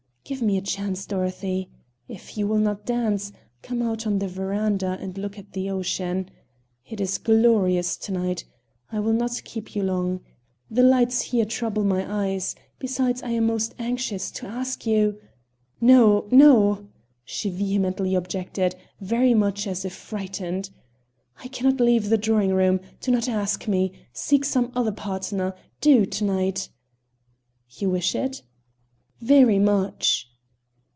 "Give me a chance, Dorothy. If you will not dance come out on the veranda and look at the ocean. It is glorious to night. I will not keep you long. The lights here trouble my eyes; besides, I am most anxious to ask you " "No, no," she vehemently objected, very much as if frightened. "I can not leave the drawing room do not ask me seek some other partner do, to night." "You wish it?" "Very much."